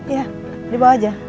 iya dibawa aja